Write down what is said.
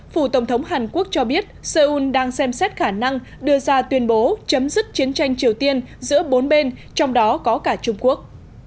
phủ tổng thống hàn quốc cho biết seoul đang xem xét khả năng đưa ra tuyên bố chấm dứt chiến tranh triều tiên giữa bốn bên trong đó có cả trung quốc